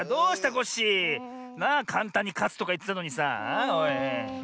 コッシー。なあかんたんにかつとかいってたのにさあおい。